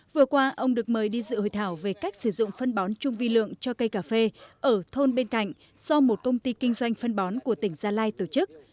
vừa qua ông được mời đi dự hội thảo về cách sử dụng phân bón chung vi lượng cho cây cà phê ở thôn bên cạnh do một công ty kinh doanh phân bón của tỉnh gia lai tổ chức